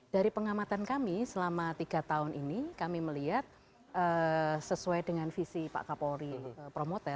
dari pengamatan kami selama tiga tahun ini kami melihat sesuai dengan visi pak kapolri promoter